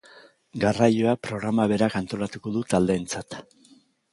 Garraioa programak berak antolatuko du taldeentzat.